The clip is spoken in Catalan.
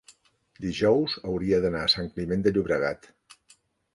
dijous hauria d'anar a Sant Climent de Llobregat.